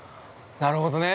◆なるほどね。